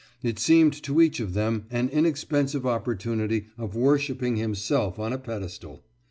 It seemed to each of them an inexpensive opportunity of worshipping himself on a pedestal.